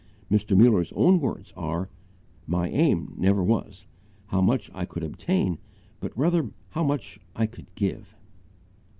Mr. Muller's own words are: "My aim never was, how much I could obtain, but rather how much I could give."